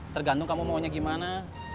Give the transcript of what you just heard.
tergantung kamu maunya gimana